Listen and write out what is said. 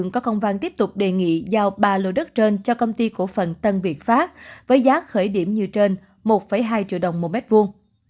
công văn tiếp tục đề nghị giao ba lô đất trên cho công ty cổ phần tân việt pháp với giá khởi điểm như trên một hai triệu đồng một mét vuông